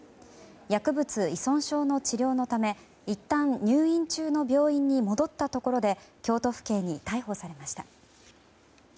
薬物依存症の治療のためいったん入院中の病院に戻ったところで京都府警に逮捕されました。